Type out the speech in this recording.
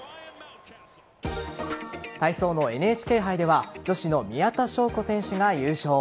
体操のＮＨＫ杯では女子の宮田笙子選手が優勝。